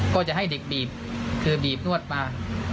ก็จะให้เด็กบีบคือบีบนวดมา